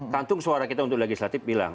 kantung suara kita untuk legislatif bilang